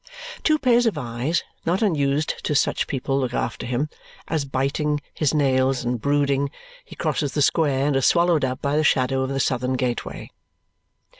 Two pairs of eyes not unused to such people look after him, as, biting his nails and brooding, he crosses the square and is swallowed up by the shadow of the southern gateway.